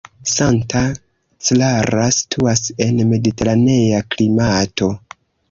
Santa Clara situas en mediteranea klimato.